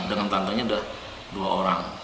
dengan tantanya ada dua orang